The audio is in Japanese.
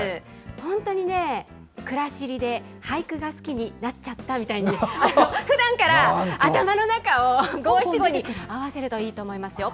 本当にね、くらしりで俳句が好きになっちゃったみたいな、ふだんから頭の中を五七五に合わせるといいと思いますよ。